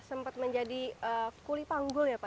sempat menjadi kuli panggul ya pak